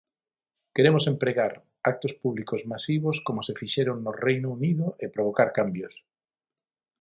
Queremos empregar actos públicos masivos como se fixeron no Reino Unido e provocar cambios.